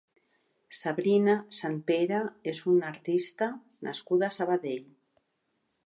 Sabrina Santpere és una artista nascuda a Sabadell.